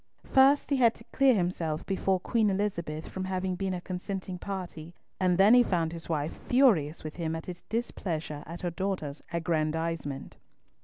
First he had to clear himself before Queen Elizabeth from having been a consenting party, and then he found his wife furious with him at his displeasure at her daughter's aggrandisement.